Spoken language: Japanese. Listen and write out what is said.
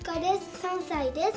３さいです。